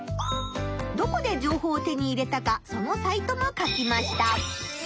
どこで情報を手に入れたかそのサイトも書きました。